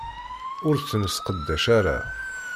Ur tt-nesseqdac ara.